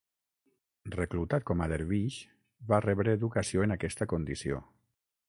Reclutat com a dervix va rebre educació en aquesta condició.